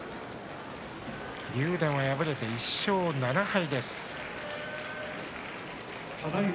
竜電は敗れて１勝７敗。